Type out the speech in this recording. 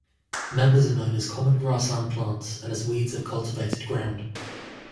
Members are known as common grassland plants and as weeds of cultivated ground.